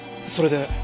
それで？